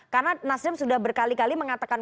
karena nasdem sudah berkali kali mengatakan